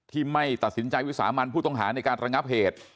ไม่ตัดสินใจวิสามันผู้ต้องหาในการระงับเหตุ